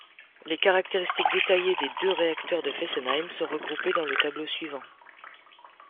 Les caractéristiques détaillées des deux réacteurs de Fessenheim sont regroupées dans le tableau suivant.